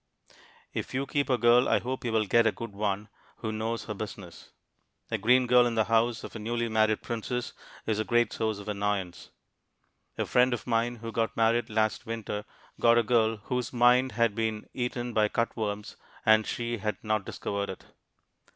If you keep a girl I hope you will get a good one who knows her business. A green girl in the house of a newly married princess is a great source of annoyance. A friend of mine who got married last winter got a girl whose mind had been eaten by cut worms and she had not discovered it.